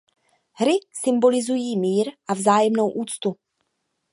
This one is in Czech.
Hry symbolizují mír a vzájemnou úctu.